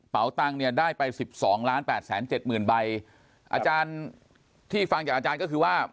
เปล่าตั้งเนี่ยได้ไป๑๒๘๗๐๐๐๐ใบอาจารย์ที่ฟังจากอาจารย์ก็คือว่า